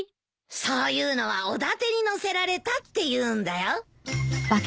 そういうのはおだてに乗せられたって言うんだよ。